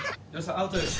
アウトです。